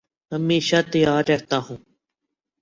ہمیشہ تیار رہتا ہوں